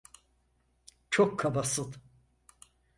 Çok kabasın!